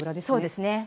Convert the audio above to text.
そうですね。